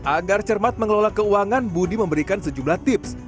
agar cermat mengelola keuangan budi memberikan sejumlah tips